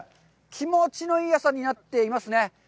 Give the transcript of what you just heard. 気持ちのいい朝になっていますね。